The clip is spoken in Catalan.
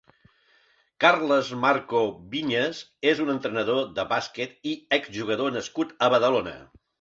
Carles Marco Viñas és un entrenador de bàsquet i ex-jugador nascut a Badalona.